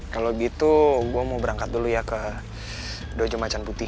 kalau gitu gue mau berangkat dulu ya ke jojo macan putih